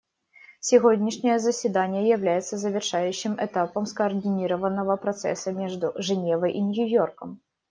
Сегодняшнее заседание является завершающим этапом скоординированного процесса между Женевой и Нью-Йорком.